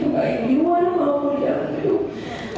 baik di luar maupun di dalam hidup